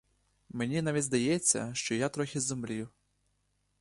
Мені навіть здається, що я трохи зомлів.